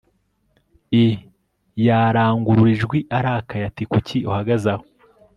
i yarangurura ijwi arakaye ati kuki uhagaze aho